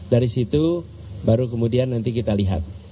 dari situ baru kemudian nanti kita lihat